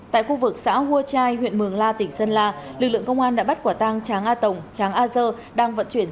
tại khu vực xã hua trai huyện mường la tỉnh sơn la lực lượng công an đã bắt quả tang tráng a tổng tráng a dơ